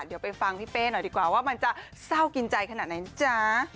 เดี๋ยวไปฟังพี่เป้หน่อยดีกว่าว่ามันจะเศร้ากินใจขนาดไหนนะจ๊ะ